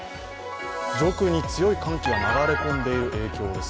上空に強い寒気が流れ込んでいる影響です。